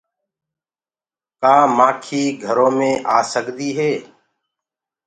ڪآ مآکي گھرو مي آ سڪدي هي۔